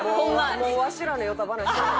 もうわしらの与太話。